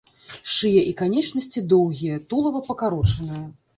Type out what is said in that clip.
Шыя і канечнасці доўгія, тулава пакарочанае.